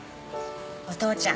お父ちゃん